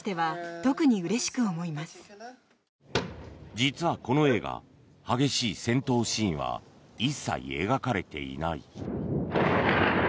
実は、この映画激しい戦闘シーンは一切描かれていない。